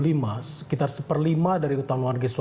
ini waspada dengan kontroversi